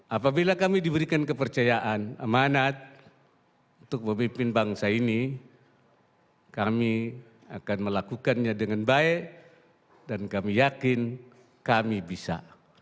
apabila kami diberikan kepercayaan amanat untuk memimpin bangsa ini kami akan melakukannya dengan baik dan kami yakin kami bisa